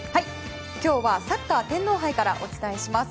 今日はサッカー天皇杯からお伝えします。